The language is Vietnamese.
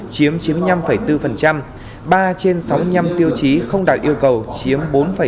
chiếm chín mươi năm bốn ba trên sáu mươi năm tiêu chí không đạt yêu cầu chiếm bốn năm